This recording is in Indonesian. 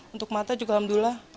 untuk mata juga alhamdulillah